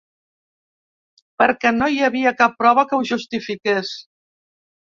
Perquè no hi havia cap prova que ho justifiqués.